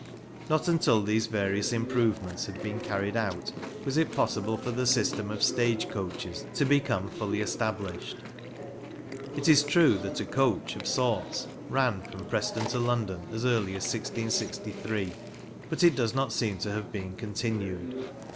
Not until these various improve ments had been carried out was it possible for the system of stage coaches to become fully established. It is true that a coach " of sorts " ran from Preston to London as early as 1663, but it does not seem to have been continued.